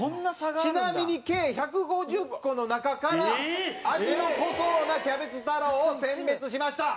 ちなみに計１５０個の中から味の濃そうなキャベツ太郎を選別しました！